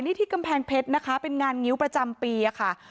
นี่ที่กำแพงเพชรนะคะเป็นงานงิ้วประจำปีค่ะ